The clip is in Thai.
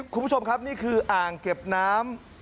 คุณผู้ชมครับนี่คืออ่างเก็บน้ำ